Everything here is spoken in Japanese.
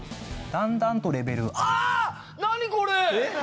だんだんとレベル。